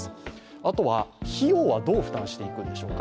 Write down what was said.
あとは、費用はどう負担していくんでしょうか。